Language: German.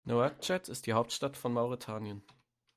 Nouakchott ist die Hauptstadt von Mauretanien.